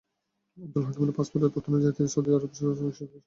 আবদুল হাকিমের পাসপোর্টের তথ্য অনুযায়ী তিনি সৌদি আরবে শ্রমিক হিসেবে কাজ করেন।